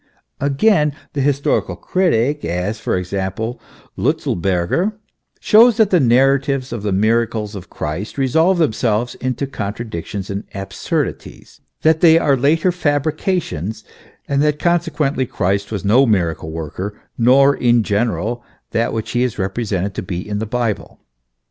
Again, the historical critic, as, for example, Lutz elberger, shows that the narratives of the miracles of Christ resolve themselves into contradictions and absurdities, that they are later fabrications, and that consequently Christ was no miracle worker nor, in general, that which he is represented to be in the Bible.